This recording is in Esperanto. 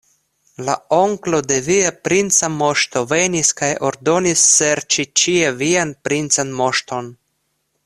La onklo de via princa moŝto venis kaj ordonis serĉi ĉie vian princan moŝton.